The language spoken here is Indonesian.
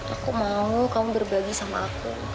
aku mau kamu berbagi sama aku